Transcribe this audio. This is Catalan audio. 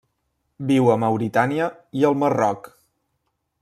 Viu a Mauritània i el Marroc.